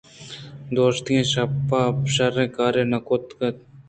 دوشیگیں شپ ءَ آئی ءَ شرّیں کار نہ کُتگ اَت